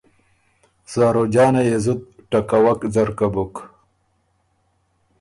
زاروجانه يې زُت ټکوَک ځرکۀ بُک۔